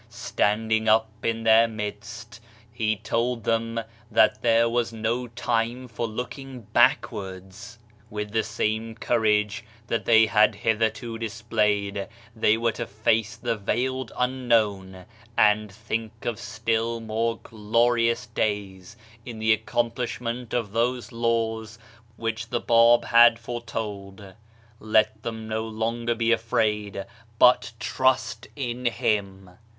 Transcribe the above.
Stand ing up in their midst, he told them that there was no time for looking backwards. With the same courage that they had hitherto displayed they were to face the veiled unknown, and think of still more glorious days, in the accomplish ment of those laws which the Bab had foretold. Let them no longer be afraid, but trust in him